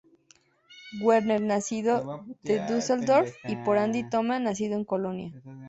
Werner, nacido en Düsseldorf, y por Andi Toma, nacido en Colonia.